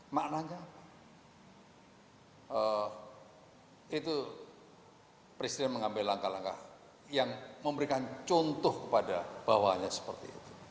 maknanya itu presiden mengambil langkah langkah yang memberikan contoh kepada bawahnya seperti itu